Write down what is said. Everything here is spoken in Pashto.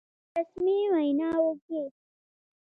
په رسمي ویناوو کې وي.